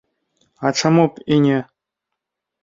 А чаму б і не?